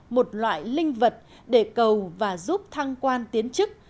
một loại linh vật để cầu và giúp thăng quan tiến chức